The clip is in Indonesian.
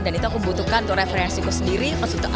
dan itu aku butuhkan untuk referensiku sendiri